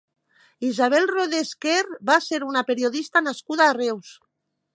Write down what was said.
Isabel Rodés Quer va ser una periodista nascuda a Reus.